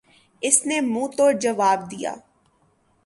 اس نے منہ توڑ جواب دیا۔